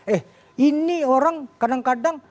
eh ini orang kadang kadang